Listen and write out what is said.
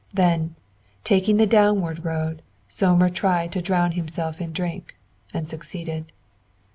Then, taking the downward road, Sohmer tried to drown himself in drink, and succeeded.